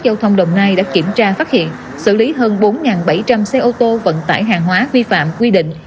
giao thông đồng nai đã kiểm tra phát hiện xử lý hơn bốn bảy trăm linh xe ô tô vận tải hàng hóa vi phạm quy định